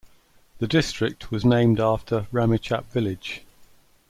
The district was named after Ramechhap village.